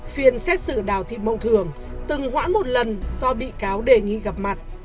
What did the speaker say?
phiên xét xử đào thị mộng thường từng hoãn một lần do bị cáo đề nghị gặp mặt